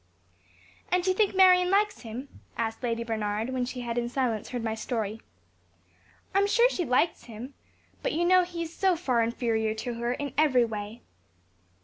"And you think Marion likes him?" asked Lady Bernard, when she had in silence heard my story. "I am sure she likes him. But you know he is so far inferior to her, in every way."